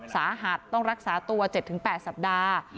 สาหัสต้องรักษาตัว๗๘สัปดาห์